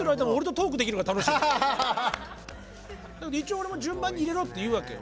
だけど一応俺も順番に入れろって言うわけよ。